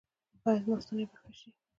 ایا زما ستونی به ښه شي؟